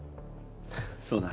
そうだ。